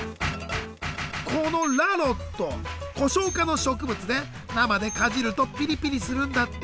このラロットコショウ科の植物で生でかじるとピリピリするんだって。